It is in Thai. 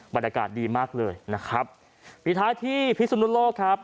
บรรยากาศดีมากเลยนะครับปิดท้ายที่พิสุนุโลกครับ